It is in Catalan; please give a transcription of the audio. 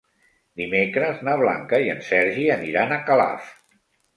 Dimecres na Blanca i en Sergi aniran a Calaf.